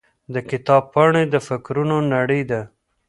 د کتاب پاڼې د فکرونو نړۍ ده.